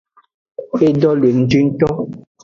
Edo le ngji ngto.